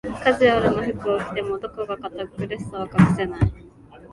カジュアルな服を着ても、どこか堅苦しさは隠せない